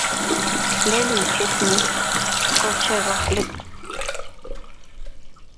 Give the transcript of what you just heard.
lelutyet ni ko chepo let